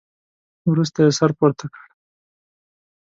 وروسته يې سر پورته کړ.